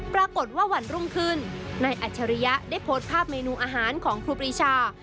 ปรากฏว่าวันรุ่งคืนในอัจฉริยะได้โพสต์ภาพเมนูอาหารของครูปีชา